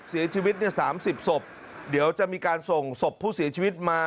เสียชีวิตเนี่ย๓๐ศพเดี๋ยวจะมีการส่งศพผู้เสียชีวิตมา